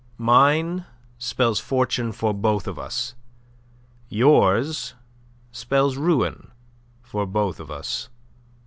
Mine spells fortune for both of us. Yours spells ruin for both of us.